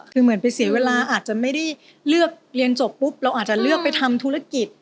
คือเหมือนไปเสียเวลาอาจจะไม่ได้เลือกเรียนจบปุ๊บเราอาจจะเลือกไปทำธุรกิจ